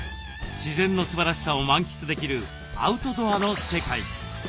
自然のすばらしさを満喫できるアウトドアの世界。